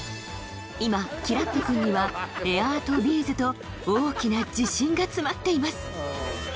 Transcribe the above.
今きらっと君にはエアーとビーズと大きな自信が詰まっています